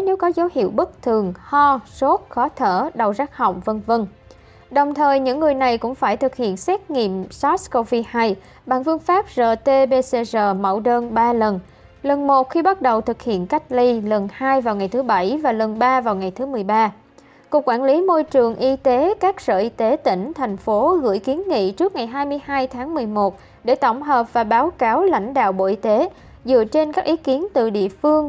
nếu có dấu hiệu bất thường về sức khỏe các trường hợp này phải báo cho cơ quan y tế để theo dõi và xử trí theo quy định